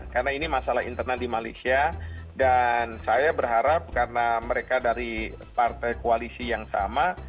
karena ini masalah internal di malaysia dan saya berharap karena mereka dari partai koalisi yang sama